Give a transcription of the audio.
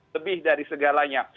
lebih dari segalanya